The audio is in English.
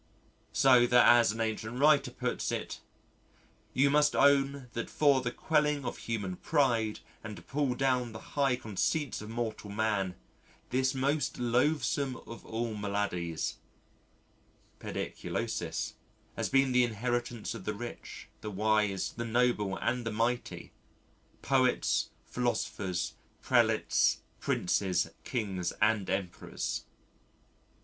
So that as an ancient writer puts it, "you must own that for the quelling of human pride and to pull down the high conceits of mortal man, this most loathesome of all maladies (Pediculosis) has been the inheritance of the rich, the wise, the noble and the mighty poets, philosophers, prelates, princes, Kings and Emperors."